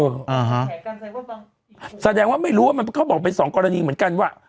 อ่าฮะแสดงว่าไม่รู้ว่ามันเขาบอกเป็นสองกรณีเหมือนกันว่า